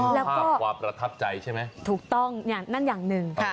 ภาพความประทับใจใช่ไหมถูกต้องเนี่ยนั่นอย่างหนึ่ง